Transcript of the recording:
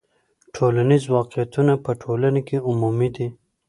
ټولنیز واقعیتونه په ټولنه کې عمومي دي.